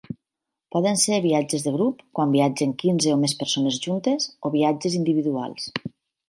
Poden ser viatges de grup, quan viatgen quinze o més persones juntes, o viatges individuals.